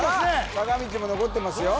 坂道も残ってますよ